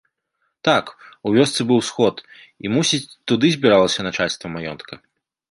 Так, у вёсцы быў сход і, мусіць, туды збіралася начальства маёнтка.